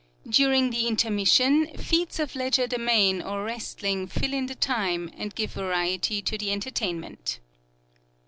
During the intermission, feats of legerdemain or wrestling fill in the time and give variety to the entertainment.